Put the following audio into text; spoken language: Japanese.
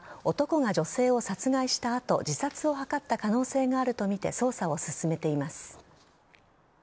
警察は男が女性を殺害した後自殺を図った可能性があるとみて捜査を進めています。